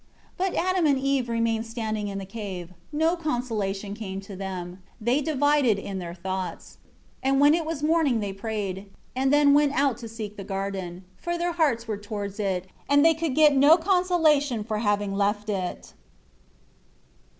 17 But Adam and Eve remained standing in the cave; no consolation came to them; they divided in their thoughts. 18 And when it was morning they prayed; and then went out to seek the garden. For their hearts were towards it, and they could get no consolation for having left it.